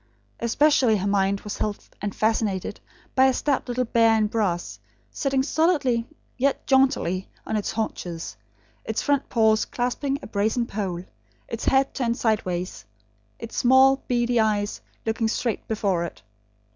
Especially her mind was held and fascinated by a stout little bear in brass, sitting solidly yet jauntily on its haunches, its front paws clasping a brazen pole; its head turned sideways; its small, beady, eyes, looking straight before it.